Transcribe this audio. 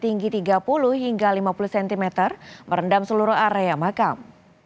tinggi tiga puluh hingga lima puluh cm merendam seluruh area makam